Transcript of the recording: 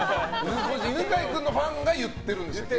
犬飼君のファンが言ってるんでしたっけ？